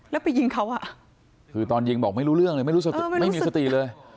แล้วไปยิงเขาอ่ะคือตอนยิงบอกไม่รู้เรื่องเลยไม่รู้ไม่มีสติเลย